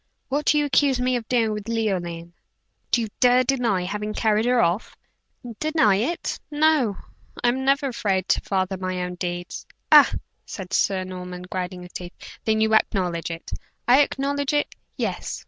What do you accuse me of doing with Leoline?" "Do you dare deny having carried her off?" "Deny it? No; I am never afraid to father my own deeds." "Ah!" said Sir Norman grinding his teeth. "Then you acknowledge it?" "I acknowledge it yes.